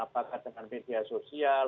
apakah dengan media sosial